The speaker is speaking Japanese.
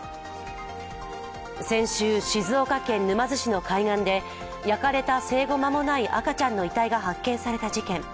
先週、静岡県沼津市の海岸で焼かれた生後間もない赤ちゃんの遺体が発見された事件。